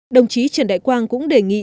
đồng chí trần đại quang cũng đề nghị